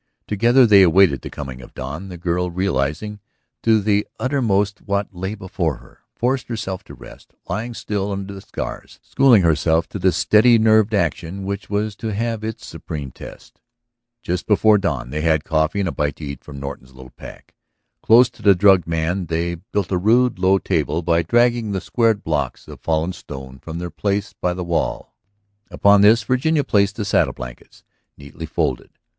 Together they awaited the coming of the dawn. The girl, realizing to the uttermost what lay before her, forced herself to rest, lying still under the stars, schooling herself to the steady nerved action which was to have its supreme test. Just before the dawn they had coffee and a bite to eat from Norton's little pack. Close to the drugged man they builded a rude low table by dragging the squared blocks of fallen stone from their place by the wall. Upon this Virginia placed the saddle blankets, neatly folded.